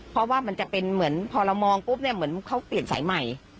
เพราะว่ามันจะเป็นเหมือนพอเรามองปุ๊บเนี่ยเหมือนเขาเปลี่ยนสายใหม่